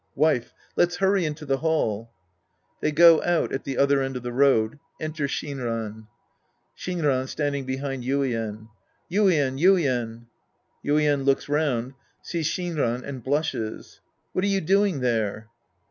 Wife. Let's hurry into the hall. {J'hey go out at the other end of the road. Enter Shinran.) Shinran {standing behind Yuien). Yuien, Yuien. (YuiEN looks round, sees Shinran and blushes^ What are you doing there